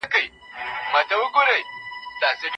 روزنه ماشوم ته نظم ښيي.